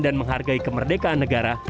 dan menghargai kemerdekaan negara